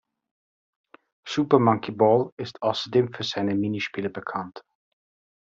Super Monkey Ball ist außerdem für seine Minispiele bekannt.